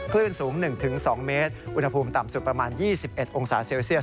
คลื่นสูง๑๒เมตรอุณหภูมิต่ำสุดประมาณ๒๑องศาเซลเซียส